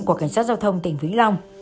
của cảnh sát giao thông tỉnh vĩnh long